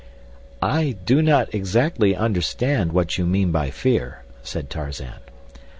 "I do not exactly understand what you mean by fear," said Tarzan.